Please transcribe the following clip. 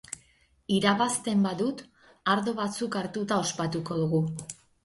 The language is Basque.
Irabazten badut, ardo batzuk hartuta ospatuko dugu.